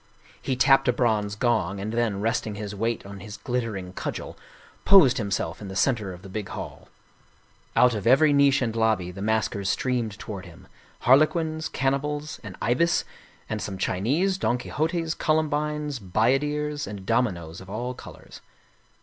He tapped a bronze gong, and then, resting his weight on his glittering cudgel, posed himself in the center of the big hall. Out of every niche and lobby the maskers streamed toward him harlequins, cannibals, an ibis, and some Chi nese, Don Quixotes, Columbines, bayaderes and dominoes of all colors.